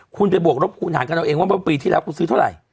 คุณไปบวกรบคูณหารกันเอาเองว่าเมื่อปีที่แล้วคุณซื้อเท่าไหร่